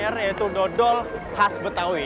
r yaitu dodol khas betawi